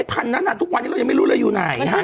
พันนั้นทุกวันนี้เรายังไม่รู้เลยอยู่ไหน